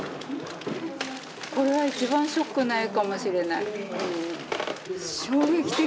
これは一番ショックな絵かもしれない。